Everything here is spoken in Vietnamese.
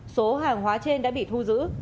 số hàng hóa trên đã bị thu giữ